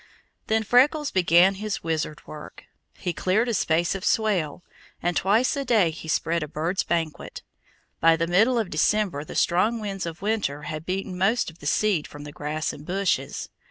Then Freckles began his wizard work. He cleared a space of swale, and twice a day he spread a birds' banquet. By the middle of December the strong winds of winter had beaten most of the seed from the grass and bushes.